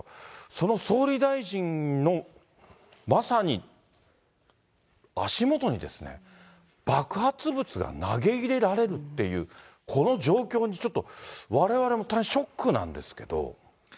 その総理大臣のまさに足元にですね、爆発物が投げ入れられるっていう、この状況にちょっと、われわれも大変ショックなんですけども。